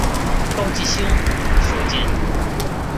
高季兴所建。